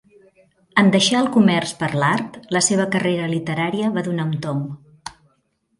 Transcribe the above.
En deixar el comerç per l'art, la seva carrera literària va donar un tomb.